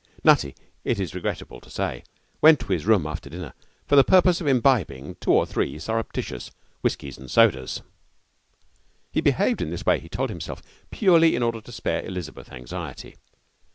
Nutty, it is regrettable to say, went to his room after dinner for the purpose of imbibing two or three surreptitious whiskies and sodas. He behaved in this way, he told himself, purely in order to spare Elizabeth anxiety.